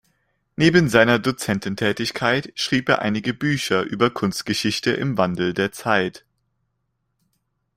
Neben seiner Dozententätigkeit schrieb er einige Bücher über Kunstgeschichte im Wandel der Zeit.